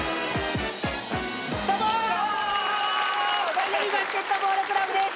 マイアミバスケットボールクラブです。